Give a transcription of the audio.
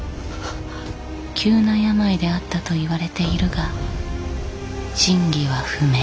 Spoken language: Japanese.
急な病であったといわれているが真偽は不明。